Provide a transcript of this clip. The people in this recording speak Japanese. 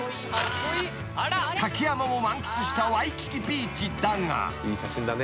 ［竹山も満喫したワイキキビーチだが］